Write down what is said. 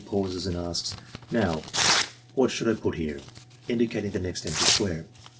pauses and asks: ''Now, what should I piU heref*' (indicating the next empty square).